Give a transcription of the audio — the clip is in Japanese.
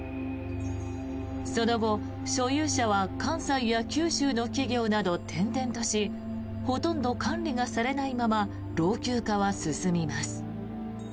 その後、所有者は関西や九州の企業など転々としほとんど管理がされないまま老朽化は進みます。